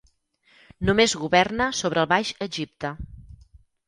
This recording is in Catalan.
Només governa sobre el Baix Egipte.